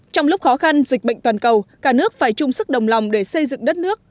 trong lúc khó khăn dịch bệnh toàn cầu cả nước phải chung sức đồng lòng để xây dựng đất nước